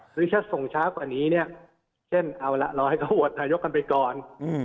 คือถ้าส่งช้ากว่านี้เนี่ยเช่นเอาละรอให้เขาโหวตนายกกันไปก่อน